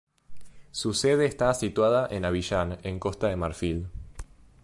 Su sede está situada en Abiyán, en Costa de Marfil.